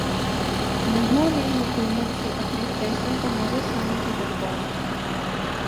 نہوں نے حکومت سے اپنے فیصلے پرنظرثانی کی درخواست کی